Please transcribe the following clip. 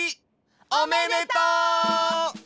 おめでとう！